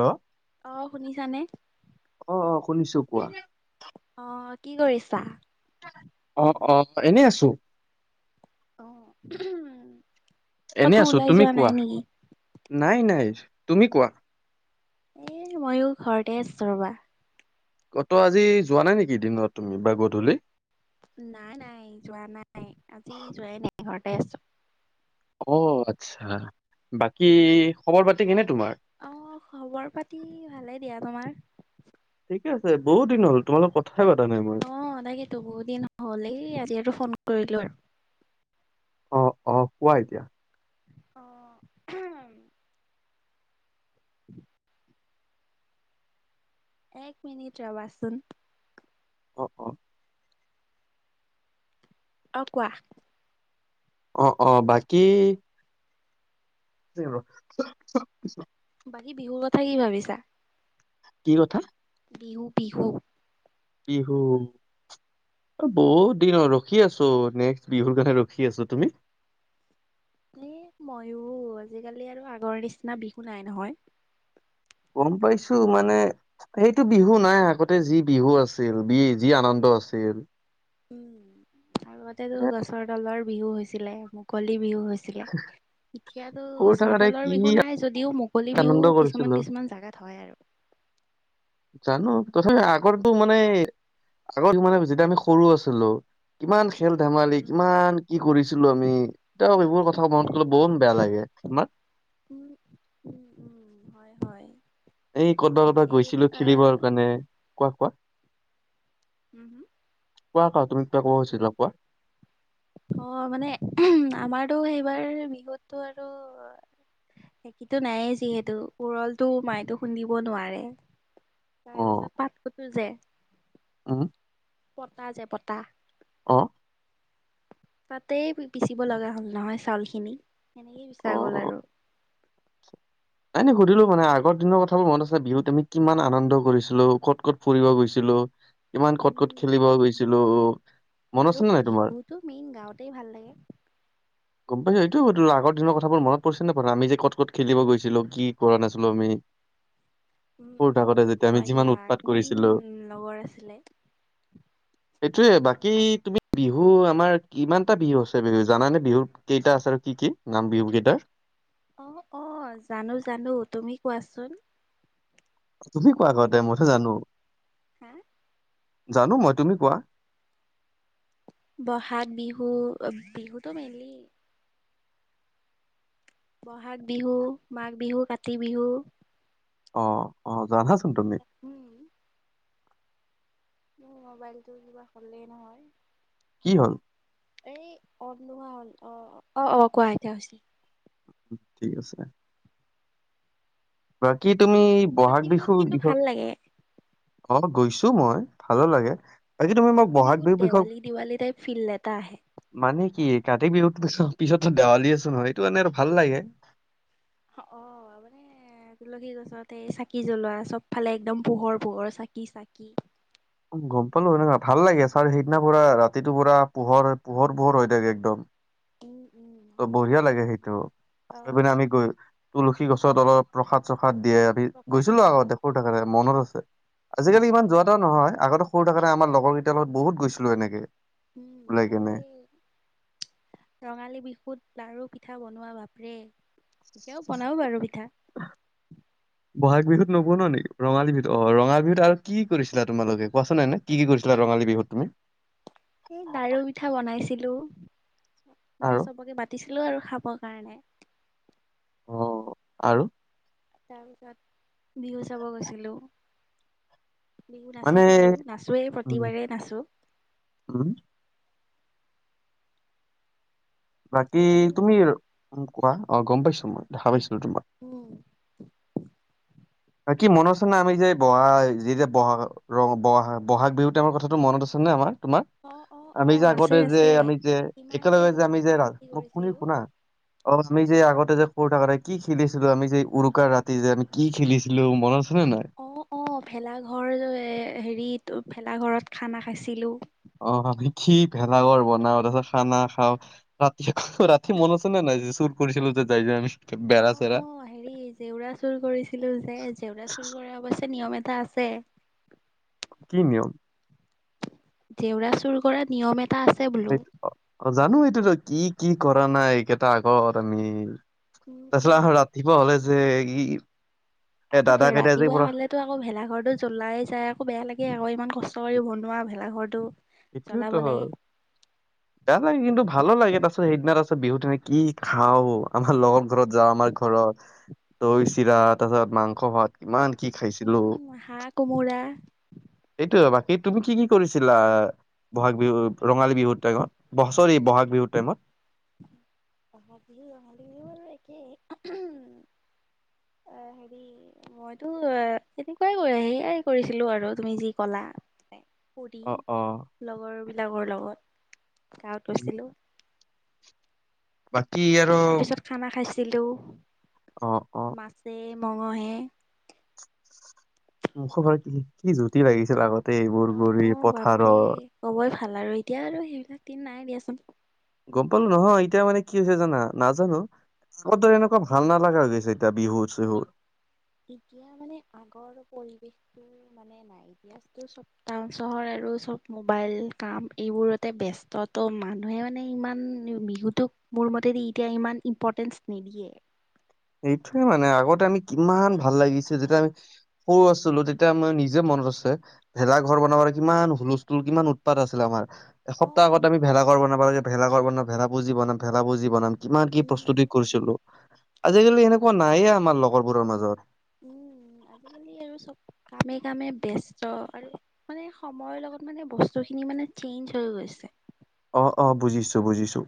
Hello. আহ শুনিছানে, অ অ শুনিছো কোৱা। অ' কি কৰিছা? অ' অ' এনেই আছো। উম। এনে আছো তুমি কোৱা নাই নাই তুমি কোৱা। এ ময়ো ঘৰতে আছোঁ ৰবা। অ' ত আজি যোৱা নাই নেকি দিনত তুমি বা গধূলি। নাই নাই যোৱা নাই আজি যোৱাই নাই ঘৰতে আছো। অ', আচ্ছা বাকী খবৰ পাতি কেনে তোমাৰ? আহ খবৰ পাতি ভালে দিয়া তোমাৰ। ঠিকে আছে বহু দিন হল তোমালোক কথা। অ তাকেইটো বহুত দিন হল আজিো ফোন কৰিলো আৰু অ' অ' কোৱা এতিয়া অ' উ এক মিনিট ৰবাচোন। কপ অ' কোৱা। অ' অ' বাকী [inaudible] বাকী বিহুৰ কথা কি ভাবিছা? কি কথা? বিহু, বিহু। বিহু অ', বহুত দিন ৰখি আছোঁ, নেক্সট বিহুৰ কাৰণে ৰখি আছোঁ, তুমি? এ ময়ো, আজিকালি আৰু আগৰ নিচিনা বিহু নাই নহয় গম পাইছোঁ মানে, সেইটো বিহু নাই, আগতে যি বিহু আছিল, বি যি আনন্দ আছিল। উম, আগতেতো গছৰ তলৰ বিহু হৈছিলে, মুকলি বিহু হৈছিলে, এতিয়াতো সৰু গছৰ থাকোতে তলৰ কি বিহু নাই যদিও মুক কলি বিহু আনন্দ কৰিছিলো কিছুমান কিছুমান জাগাত হয় আৰু। জানো, তথাপি আগৰতো মানে এ আগত মানে, যেতিয়া আমি সৰু আছিলোঁ, কিমান খেল ধেমালি, উম কিমান কি কৰিছিলোঁ আমি, এতা এইবোৰ কথা মনত কলে বহুন বেয়া লাগে। তোমাৰ [inaudible] উম উম, উম, হয়, হয়। এই [unintelligible] এই গৈছিলো আহ খেলিবৰ কাৰণে, কোৱা, কোৱা। উম হুম কোৱা, কোৱা। তুমি কিবা ক'ব খুজিছিলা কোৱা। অ'‌ মানে, আমাৰতো হেইবাৰ বিহুততো আৰু একোতো নায়েই যিহেতু, উৰলটো মায়েতো খুন্দিব নোৱাৰে অ তাৰ পিছত পাতকতো যে উম পতা যে পতা অ তাতেই পিচিব লগা হ'ল নহয় চাউল খিনি সেনেকেই পিচা অ গ'ল আৰু এনে সুধিলো মানে আগৰ দিনৰ কথাবোৰ মনত আছে, বিহুত আমি কিমান আনন্দ কৰিছিলোঁ, ক'ত ক'ত ফুৰিব গৈছিলো ইমান ক'ত ক'ত উম খেলিব গৈছিলো মনত আছে আৰু নে নাই তোমাৰ বিহুতো মেইন গাঁৱতেই ভাল লাগে। কমপ্লিট কি সুধিলো, আগৰ দিনৰ কথাবোৰ মনত পৰিছে নাই, [unintelligible] আমি যে ক'ত ক'ত খেলিব গৈছিলো, কি কৰা নাছিলো আমি উম, সৰু উম, থাকোতে যেতিয়া আমি হয় যিমান দিয়া। উৎপাত কিমান কৰিছিলো লগৰ আছিলে! এইটোৱে, বাকী তুমি বিহুৰ, আমাৰ কিমানটা বিহু আছে বিহু জানানে বিহু, কেইটা আছে আৰু কি কি নাম বিহু কেইটাৰ? অ, অ', জানো, জানো। তুমি কোৱাচোন। তুমি কোৱা আগতে, মইতো বহাগত জানো। হা জানো মই, তুমি কোৱা। বহাগ বিহু, বিহুতো মেইনলি বহাগ বিহু, মাঘ বিহু, কাতি বিহু অ, অ' জানাচোন তুমি উম মোৰ মোবাইলটো কিবা হলেই নহয় কি হ'ল? এই অফ নোহোৱা হ'ল, অ, অ, অ, কোৱা এতিয়া হৈছে। থিক আছে। বাকী তুমি বহাগ কাতি বিহুত বিহুৰ কিন্তু ভাল বিষয়ে লাগে। [unintelligible] গৈছো মই, ভালো লাগে। বাকী তুমি মোক কাতি বহাগ বিহুত বিহুৰ বিষয়ে দেৱালী দেৱালী টাইপ ফিল এটা আহে। মানে কি কাতি বিহুত পিছত, পিছততো দেৱালী আছো নহয়, সেইটো কাৰণে আৰু ভাল লাগে। অ', ‌ মানে তুলসী গছত এই চাকি জ্বলোৱা চবফালে একদম পোহৰ পোহৰ চাকি চাকি। গম পালো এনেকুৱা ভাল লাগে ছাৰ সেইদিনা পুৰা ৰাতিটো পুৰা পোহৰ পোহৰ পোহৰ হৈ থাকে একদম উম, উম, ত হয়, হয়। বঢ়িয়া লাগে সেইটো আৰু অ', পিনে আমি গৈ তুলসী গছত অলপ প্ৰসাদ চসাদ। ভাত দিয়ে আমি গৈছিলো ককাতিয়া অ', আগতে সুৰ থাকেৰে মনত আছে হয়, আজিকালি ইমান হয়, যোৱা এটা নহয় আগতে সৰু থাকতে আম লগৰেইটাৰ লগত বহুত গৈছিলো এনেকে, উম ওলাই আৰু কেনে এই ৰঙালী বিহুত, লাৰু পিঠা বনোৱা ভাপৰে এতিয়াও বনাও বাৰু পিঠা নব নে ৰঙালী বিহুত অ ৰঙালী বিহুত আৰু কি কৰিছিলা তোমালোকে কোৱাচোন নে কি কি কৰিছিলা ৰঙালী বিহুত তুমি, এই দাৰু পিঠা বনাইছিলো মানে আৰু চবকে পাতিছিলো আৰু খাব। নাই-নাই। অ, আৰু তাৰপিছত বিহু চাব গৈছিলো। বিহু মানে নাচিছিলো নাচোৱেই উম প্ৰতিবাৰেই নাচো। উম বাকী এইবাৰো তুমি নাচিম কোৱা অ, গম পাইছো মই দেখা পাইছো। উম, বাকি মনত আছে নে আমি যে বহা যেতিয়া বাহাগ ৰ বহাগ বহাগ বিহুত টাইমৰ কথাটো মনত আছে নে আমাৰ? তোমাৰ অ', অ', আমি যে অ', আছে আগতে যে আছে। আমি যে ইমান একেলগে যে আমি অ', যে ৰা ফূৰ্তি মোক শুনি কৰিছিলোঁ। শুনা অমি যে আগত যে সৰু থাকোতে কি খেলিছিলো আমি যে উৰুকাৰ ৰাতি যে আমি কি খেলিছিলো মনত নে নাই অ অ ভেলাঘৰ এ হেৰিত ভেলা ঘৰত খানা খাইছিলো। অ আমি কি ভেলাঘৰ বনাও তাৰপিছত খানা খাওঁ ৰাতি আকৌ ৰাতি মন আছে নে নাই যে চুৰ কৰিছিলো যে যাই যে আমি। অ বেৰা চেৰা অ হেৰি জেউৰা চুৰ কৰিছিলো যে জেউৰা চুৰ কৰা অৱশ্যে নিয়ম এ তাছে। কি নিয়ম? জেওৰা চুৰ কৰা নিয়ম এট জানো এইটোতো কি কি কৰা নাই এইকেইটা আগত আমি। উম, তাৰপিছত উম। আহ ৰাতিপুৱা হলে যে ই এ আকৌ দাদাক এতিয়া যে ৰাতিপুৱা পুৰা হাললেতো আকৌ ভেলাঘৰটো জ্বলাই যাই আকৌ বেয়া লাগে আকৌ ইমান কষ্ট কৰি বনোৱা ভেলাঘৰটো জ্বলাব এইটোৱেতো লাগে হ'ল। বেয়া লাগে কিন্তু ভাল লাগে তাৰছত সেইদিনা তাচ ত বিহুত এনে কি খাও আমাৰ লগৰ ঘৰত যাওঁ আমাৰ ঘৰত। দৈ চিৰা তাৰপিছত মাংস ভাত ইমান কি খাইছিলো, উম, হাঁহ কোমোৰা সেইটোৱে বা এই তুমি কি কি কৰিছিলা বহাগ বিহুত ৰঙালী বিহুৰ টাইমত? ছৰি বহাগ বিহুৰ টাইমত। অ বহাগ বিহু আৰু ৰঙালী বিহু আৰু একেই। এ হেৰি মইতো এনেকুৱাই সেয়াই কৰিছিলো আৰু তুমি যি কলা। [inaudible] পুুৰী অ লগৰবিলাকৰ লগত গাঁৱত গৈছিলোঁ। বাকী আৰু তাৰ পিছত খানা খাইছ ছিলো অ অ মাছে মঙহে। মুখবাৰ কি কি জুতি লাগিছিল আগত। অ', অ', বাপৰে ক'বই ভাল আৰু এতিয়া আৰু সেইবিলাক দিন নাই দিয়াচোন। গম পালোঁ নহয় এতিয়া মানে কি হৈছে জানা নাজানো [unintelligible] এনেকুৱা ভাল নালাগা হৈ গৈছে এতিয়া বিহুত চহুত। এতিয়া মানে আগৰ পৰিৱেশটো মানে নাই এতিয়াটো চব টাউন চহৰ আৰু চব মোবাইল কাম এইবোৰতে ব্যস্তটো মানুহে মানে ইমান বিহুটোক মোৰ মতেদি এতিয়া ইমান ইম্পৰ্টেঞ্চ নিদিয়ে। এইটোৱে মানে আগতে আমি কিমান ভাল লাগিছে যেতিয়া আমি সৰু আছিলোঁ তেতিয়া আমি নিজে ম নত আছে ভেলা ঘৰ বনাবৰ কিমান হুলস্থুল কিমান উৎপাত আছিলে আমাৰ। অ এসপ্তাহ আগত আমি বাপৰে ভেলাঘৰ বনাব লাগে, ভেলাৰ বনাম, ভেলা পুজি বানম, ভেলা পুজি বনাম। কিমান কি প্ৰস্তুতি উম কৰিছিলোঁ আজিকালি হয় এনেকুৱা নায়ে আমাৰ লগৰবোৰৰ মাজত। [inaudible] উম আজিকালি আৰু চব কামে কামে ব্যস্ত আৰু মানে সময়ৰ লগত মানে বস্তু খিনি মানে চেঞ্জ হৈ গৈছে। অ', অ', বুজিছোঁ, বুজিছোঁ।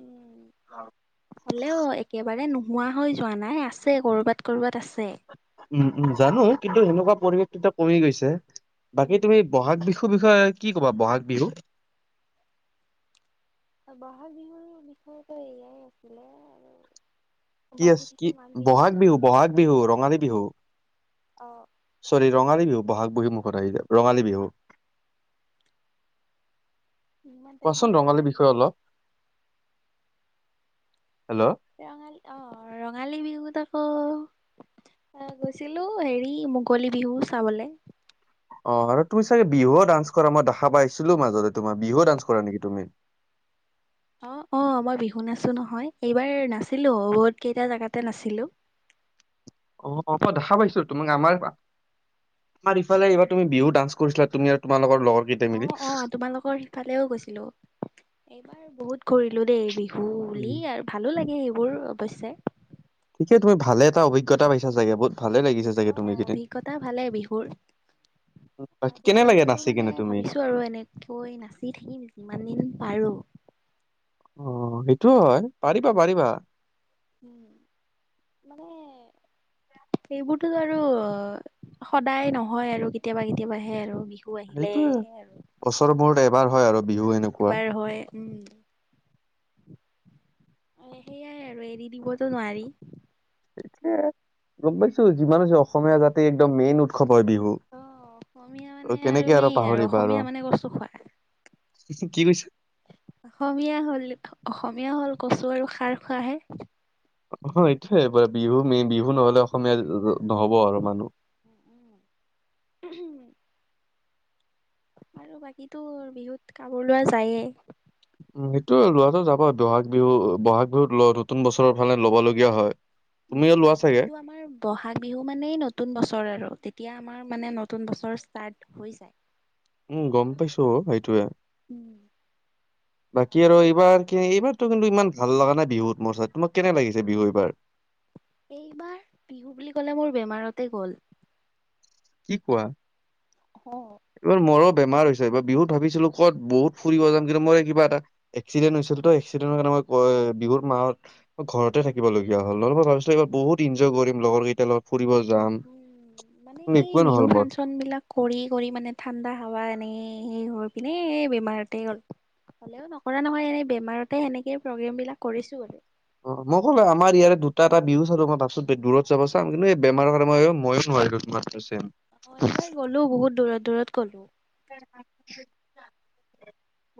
উম, হ'লেও একেবাৰে নোহ হোৱা হৈ যোৱা নাই, আছে কৰ'বাত কৰ'বাত আছ উম - উম জানো কিন্তু সেনেকুৱা পৰিৱেশ কেইটা কমি গৈছে। বাকী উম তুমি বহাগ বিহুৰ বিষয়ে কি কবা বহাগ বিহু বহাগ বিহুৰ বিষয়তো এয়াই আছিলে আৰু কি বাকী আছে কি থাকিল মাঘ বহাগ বিহু- বহাগ বিহু ৰঙালী বিহু। অ', চৰি ৰঙালী বিহু বহাগ বহী মুখত আহি যায় ৰঙালী বিহু। ইমান টাইমৰ কোৱাচোন ৰঙালী বিষয়ে অলপ? হেল্ল'। ৰঙালী অ, ৰঙালী বিহুত অ ' অ 'গৈছিলো হেৰি মুকলী বিহু চাবলে অ, আৰু তুমি চাগে বিহুও ডান্স কৰা মই দেখা পাইছিলো মাজতে তোমাৰ বিহু ডান্স কৰা নেকি তুমি? অ - অ মই বিহু নাছো নহয় এইবাৰ নাছিলো বহুত কেইটা জাগাতে নাছিলো। অ- অ দেখা পাইছো তোমাক আমাৰ পা তমাৰ ইফালে এইবাৰ তুমি বিহু ডান্স কৰিছিলা তুমি আৰু তোমাৰ লগৰ লগৰ কেইটাই অ মিলি। অ, তোমালোকৰ সিফালেও গৈছিলো। এইবাৰ বহুত কৰিূৰিলো দেই বিহু উম। বুলি আৰু ভালো লাগে সেইবোৰ অৱশ্য। ঠিকে তুমি ভাল এটা অজ্ঞতা পাইছা চাগে বহত অ, অভিজ্ঞতা ভালেই বিহুৰ। [inaudible] তাৰ পিছলৈও নাচি মানে কেনে তুমি? ভাবিছো আৰু এনেকৈ নাচি থাকিম যিমান দিন পাৰো। অ, সেইটোও হয় পাৰিবা - পাৰিবা। উম মানে। এইবোৰতোতো আৰু সদায় নহয় আৰু কেতিয়াবা কেতিয়াবাহে আৰু বিহু আহিলে সেইটোয়ে আৰু বছৰৰ মহুৰৰত এবাৰ হয় আৰু বিহু এনেকুৱা এবাৰ হয় উম অ, সেইয়াই আৰু এৰি দিবতো নোৱাৰি। এইটোৱে গম পাইছো যিমান হৈছে অসমীয়া জাতিৰ একদম মেইন উৎসৱ। হয় বিহু অ', অসমীয়া মানে ত কেনেকে আৰু মেইন পাহৰিবা আৰু। অসমীয়া মানে কচু খোৱা। কি কৈছা। অসমীয়া হল অসমীয়া হ'ল কচু আৰু খাৰ খোৱাহে। অ, এইটোয়ে বিহু মেইন বিহু নহ'লে অসমীয়া নহব আৰু মানুহ। উম, আৰু বাকীতো বিহুত কামোৰ লোৱা যায়ে। উম, সেইটো লোৱাটো যাব বহাগ বিহু বহাগ বিহুত নতুন বছৰৰ ফালে ল'ব লগগীয়া হয়। তুমিও উম, লোৱা চাগে? এইটতটো আমাৰ বহাগ বিহু মানে নতুন বছৰ আৰু তেতিয়া আমাৰ মানে নতুন বছৰ ষ্টাৰ্ট হৈ যায়। উম, গম পাইছো সেইটোয়ে। উম, [inaudible] বাকী আৰু এইবাৰ কি এইবাৰো কিন্তু ইমান ভাল লগা নাই বিহুত মোৰ ছাই তোমাক কেনে লাগিছে বিহু এইবাৰ? [inaudible] এইবাৰ বিহু বুলি ক'লে মোৰ বেমাৰতে গল। কি কোৱা অ', এইবাৰ মৰম বেমাৰ হৈছে বিহুত ভাবিছিলো কত বহুত ফুৰিব যাম কিন্তু মই কিবা এটা এক্সিডেণ্টত হৈছিল ত এক্সিডেণ্টৰ কাৰণে বিহুৰ মাহত ঘৰতে থাকিব লগগীয়া হ'ল নব ভিছ এইবাৰ বহুত এনজয় কৰিম লগৰ কেইট লগত ফুৰিব যাম। উম, মানে কিন্তু এই একোৱে বিহু নহ'ল মোৰ। ফাংচন বিলাক কৰি কৰি মানে ঠাণ্ডা হাৱা এনে এপিনে বেমাৰতেেই গল হ'লেও নকৰা নহয় এনেই বেমাৰতে সেনেকে প্ৰগ্ৰেম বিলাক কৰিছো বলে অ, মই ক'লে আমাৰ ইয়াৰ দুটা এটা বিহু চ আৰু মই ভিছ দূৰত যাব চাম কিন্তু এই বেমাৰৰ কাৰণ ময়ো ন মম [unintelligible] অ' এইবাৰ গলো বহুত দূৰত দূৰত গলো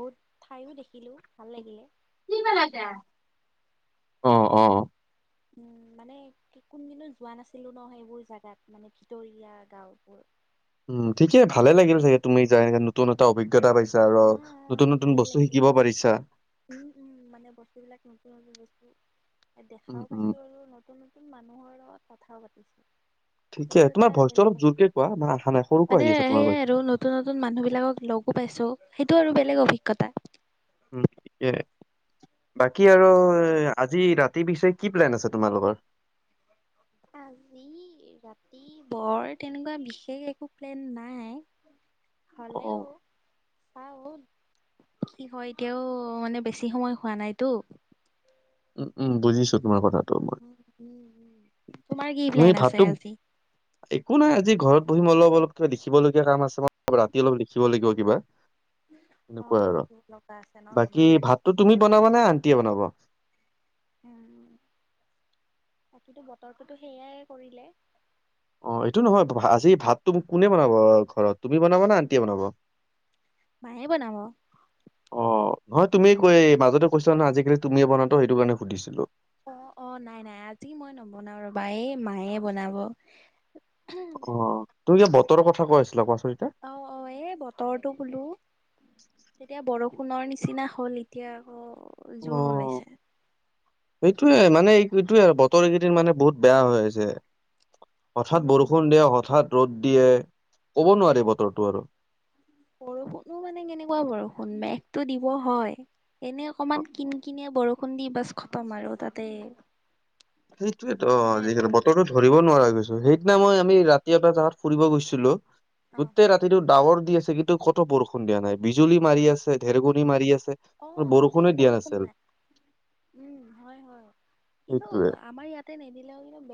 বহুত ঠাইও দেখিলো ভাল লাগিলে। অ', অ' উম মানে কোনদিিনো যোৱা নাছিলো ন সেইবোৰ জোগাত মানে ভিতৰীয়া গাওবোৰ উম ঠিকে ভালে লাগিলাগ তুমি যা এনেকে নতুন এটা অভিজ্ঞা, অভিজ্ঞতা পাইছা আৰু নতুন অ' অ নতুন ভালে বস্তু লাগিলে শিকিব পাৰিছা। উম, উম, মানে বস্তুবিলাক নতুন নতুন উম দেখাও উম পাইছো আৰু নতুন নতুন মানুহৰ লগত কথাও পাতিছো। ঠিকে সটো তোমাৰ এটা ভইচটো অলপ বেলেগ জোৰকে কোৱা মানে অহা নাই সৰুকৈ মানে আহি আছে তোমাৰ সেয়াই ভইচ আৰু নতুন নতুন মানুহ বিলাকক লগ পাইছো সেইটো আৰু বেলেগ অভিজ্ঞতা উম। বাকী আৰু আজি ৰাতি পিছে কি প্লেন আছে তোমালোকৰ। আজি ৰাতি বৰ তেনেকুৱা বিশেষ একো প্লেন নাই। অ হলেও চাও কি হয় এতিয়াও মানে বেছি সময় হোৱা নাইতো। উম উম বুজিছো তোমাৰ কথাত। তোমাৰ কি তুমি প্লেন ভাবতো আছে আজি? পঢহিমই অলপ অলপ কিবা লখিবলগীয়া কাম আছে মই ৰাতি অলপ লিখিবলাগিব কিবা। অ সনেকুৱাই আৰু লিখিব লগা আছে ন বাকী তোমাৰ? ভাতটো তুমি বনাবা নে আন্টে বনাবা। উ বাকী বতৰটোতো সেইয়াই কৰিলে। অ'এইটো নহয় আজি ভাতটো কোনে বনাব ঘৰত তুমি বনাবা নে আণ্টিয়ে বনাব। মায়ে বনাম। অ নহয় তুমি কৈ মাজতে কৈছা নে আজিকালি তুমে বনাতো সেইটো কাৰণে সুধিছিলো। অ' অ' নাই নাই আজি মই নবনাও ৰবা এই মায়ে বনাব। অ' তোৰ এয়া বতৰৰ কথা কৈ আছিলা কোৱাচোন। এতিয়া? অ' অ' এ বতৰটোো বলো তেতিয়া বৰষুণৰ নিচিনা। হ'ল এতিয়া আকৌ জোৰোন ওলাইছে সেইটোয়ে মানে এই এইটোয়ে বতৰ কেইদিন মানে বহুত বেয়া হৈ আছে হঠাৎ উম বৰষুণ দিয়ে হঠাৎ ৰ'দ দিয়ে ক'ব নোৱাৰি বতৰটো আৰু বৰষুণো মানে কেনেকুৱা বৰষুণ মেঘটো দিব হয়। এনে অকমান কিনি কিনিয় বৰষুণ দি বাছ খটাম আৰু তাতে, সেইটোয়েেতো নাই আৰু আজিকালি বৰষুণ। বতৰো ধৰিব নোৱাৰা গৈছো সেইদিনা মই আমি ৰাতিয়াৰ পৰা যাত, ফুৰিব গৈছিলো উম গোটেই ৰাতিটো ডাৱৰ, আছে কিন্তু কত বৰষুণ দিয়া নাই বিজুলী মাৰি আছে গাজনি মাৰি আছে অ' বৰষুণে কিন্তু দিয়া বৰষুণ নাছিল নাই উম হয় হয় কিন্তু, সেইটোয়ে অ' আমাৰ ইয়াতে নিদিলেও কিন্তু,